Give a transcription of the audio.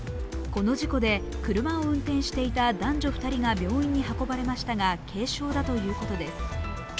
この事故で、車を運転していた男女２人が病院に運ばれましたが軽傷だということです。